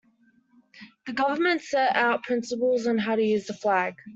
The government set out principles on how to use the flag.